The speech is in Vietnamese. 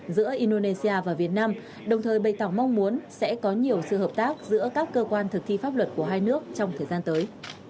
giữa indonesia và việt nam đồng thời bày tỏ mong muốn sẽ có nhiều sự hợp tác giữa các cơ quan thực thi pháp luật của hai nước trong thời gian tới